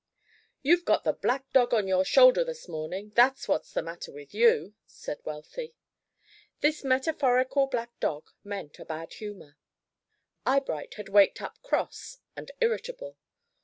"You've got the black dog on your shoulder, this morning; that's what's the matter with you," said Wealthy. This metaphorical black dog meant a bad humor. Eyebright had waked up cross and irritable.